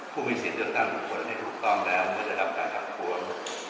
ผู้มีสิทธิ์เลือกตั้งทุกคนไม่ถูกต้องแล้วเมื่อได้รับการทักท้วง